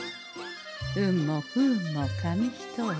運も不運も紙一重。